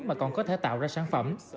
mà còn có thể tạo ra sản phẩm